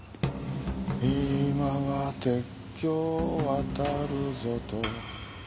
「今は鉄橋渡るぞと」